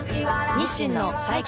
日清の最強